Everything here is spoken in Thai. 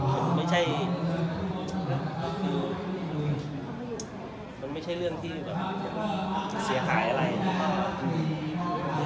มันไม่ใช่คือมันไม่ใช่เรื่องที่แบบเสียหายอะไรนะครับ